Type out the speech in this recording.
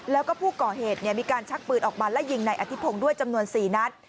แล้วก็ผู้ก่อเหตุมีการชักปืนออกมาและยิงนายอธิพงศ์ด้วยจำนวน๔นัด